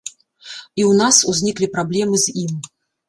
І ў нас узніклі праблемы з ім.